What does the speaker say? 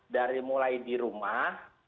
dari mulai di rumah